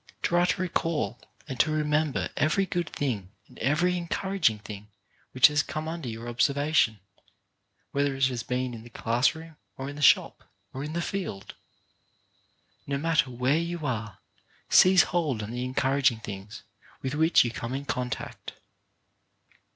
Try to recall and to remember every good thing and every encourag ing thing which has come under your observation, whether it has been in the class room, or in the shop, or in the field. No matter where you are, seize hold on the encouraging things with which you come in contact.